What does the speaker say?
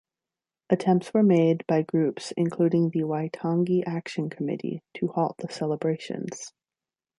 Attempts were made by groups including the Waitangi Action Committee to halt the celebrations.